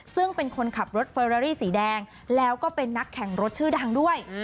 ซึ่งเป็นคนขับรถเฟอรารี่สีแดงแล้วก็เป็นนักแข่งรถชื่อดังด้วย